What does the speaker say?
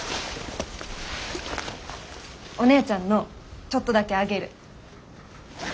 おねえちゃんのちょっとだけあげる。